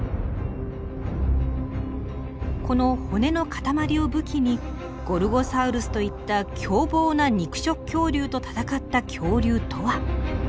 この骨の塊を武器にゴルゴサウルスといった凶暴な肉食恐竜と戦った恐竜とは。